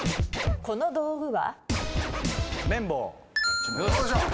この道具は？